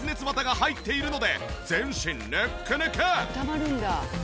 あったまるんだ。